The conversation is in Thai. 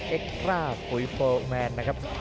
เอกราฟุ้ยโปรแมนนะครับ